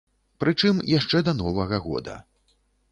Прычым яшчэ да новага года.